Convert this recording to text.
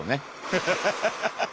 フハハハハハッ！